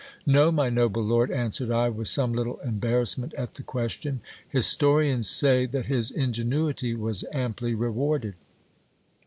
No, my noble lord, answered I, with some little embarrassment at the question ; historians say that his ingenuity was amply rewarded.